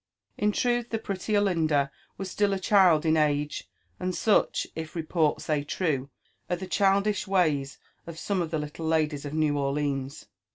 In truth the pretty Olinda was still a child in age; and such, if re* port say true, are the childish ways of some of the little ladies of New Orleans.